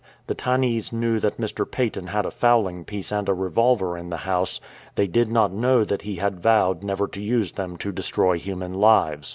The Tannese knew that Mr. Paton had a fowling piece and a revolver in the house ; they did not know that he had vowed never to use them to destroy human lives.